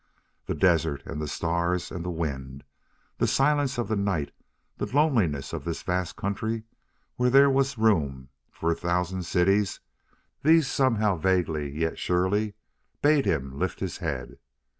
The desert and the stars and the wind, the silence of the night, the loneliness of this vast country where there was room for a thousand cities these somehow vaguely, yet surely, bade him lift his head.